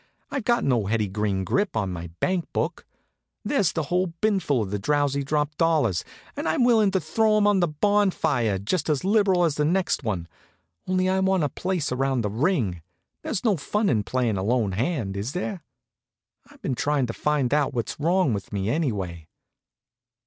"I've got no Hetty Green grip on my bankbook. There's a whole binful of the 'Drowsy Drop' dollars, and I'm willing to throw 'em on the bonfire just as liberal as the next one, only I want a place around the ring. There's no fun in playing a lone hand, is there? I've been trying to find out what's wrong with me, anyway?"